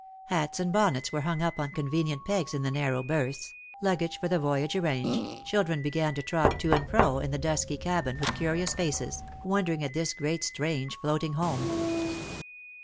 Hats and bonneta were hung up on convenient pegs in the narrow berths, luggage for the voyage arranged, children began to trot to and fro in the dusky cabin with curious faces, wondering at this great strange floating home.